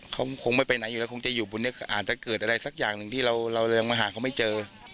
เขาคงไม่ไปไหนอยู่แล้วคงจะอยู่บนนี้อาจจะเกิดอะไรสักอย่างหนึ่งที่เรายังมาหาเขาไม่เจอ